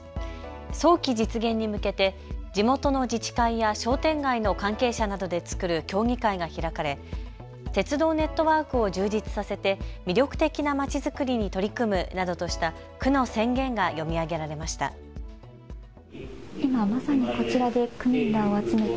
早期実現に向けて地元の自治会や商店街の関係者などで作る協議会が開かれ鉄道ネットワークを充実させて魅力的なまちづくりに取り組むなどとした区の宣言が読み上げられました。